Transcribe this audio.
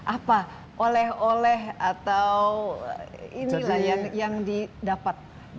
apa oleh oleh atau inilah yang didapat dari kehadiran tempat ini